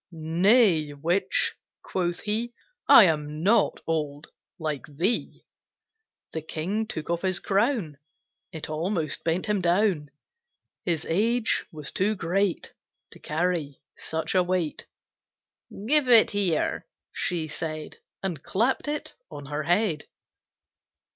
"Nay, Witch!" quoth he, "I am not old like thee." The King took off his crown, It almost bent him down; His age was too great To carry such a weight. "Give it here!" she said, And clapt it on her head.